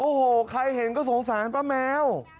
โอ้โหใครเห็นก็สงสารป้าแมว